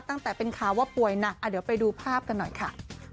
ตั้งแต่เป็นข่าวว่าป่วยหนักเดี๋ยวไปดูภาพกันหน่อยค่ะ